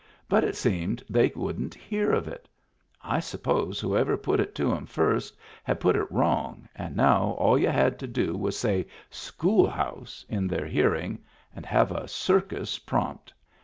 But it seemed they wouldn't hear of it I suppose whoever put it to *em first had put it wrong, and now all y'u had to do was say " school house " in their hearing, and have a circus prompt.